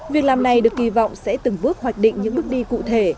việc làm này được kỳ vọng sẽ từng bước hoạch định những bước đi cụ thể